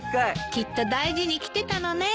きっと大事に着てたのねえ。